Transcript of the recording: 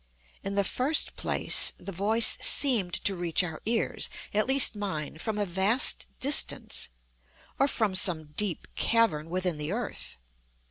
In the first place, the voice seemed to reach our ears—at least mine—from a vast distance, or from some deep cavern within the earth.